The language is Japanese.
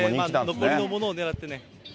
残りのものを狙ってね。